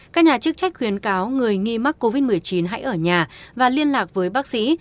các nhà chức trách khuyến cáo người nghi mắc covid một mươi chín hãy ở nhà và liên lạc với bác sĩ